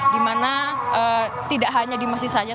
dimana tidak hanya di masjid saja